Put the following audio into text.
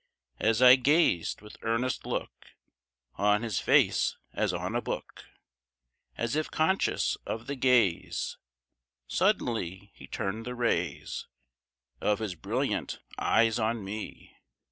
As I gazed with earnest look On his face as on a book, As if conscious of the gaze, Suddenly he turned the rays Of his brilliant eyes on me.